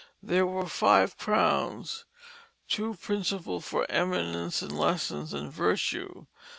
There were five Crowns, two principal for Eminence in Lessons, and Virtue.